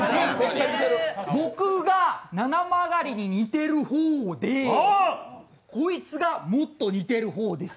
僕がななまがりに似てる方で、こいつが、もっと似てる方です。